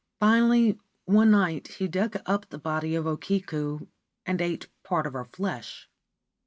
Finally, one night he dug up the body of O Kiku and ate part of her flesh.